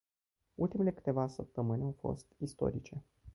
Ultimele câteva săptămâni au fost istorice.